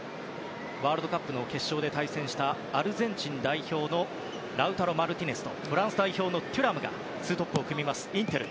ワールドカップの決勝で対戦したアルゼンチン代表のラウタロ・マルティネスとフランス代表、テュラムが２トップを組みます、インテル。